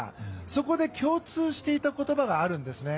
そこで共通していた言葉があるんですね。